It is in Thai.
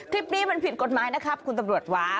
คลิปนี้มันผิดกฎหมายนะครับคุณตำรวจว่า